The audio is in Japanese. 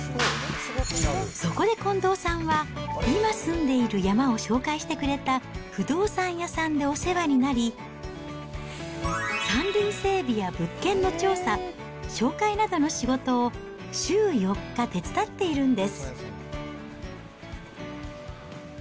そこで近藤さんは、今住んでいる山を紹介してくれた不動産屋さんでお世話になり、山林整備や物件の調査、紹介などの仕事を週４日、手伝っているんです。